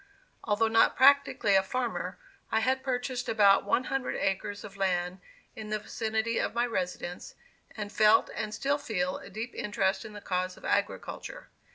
Although not practically a farmer, I had purchased about one hundred acres of land in the vicinity of my residence, and felt and still feel a deep interest in the cause of agriculture.